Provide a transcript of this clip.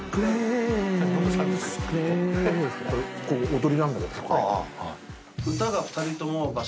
踊りなんだけどさこれ。